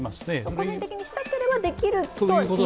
個人的にしたければできると。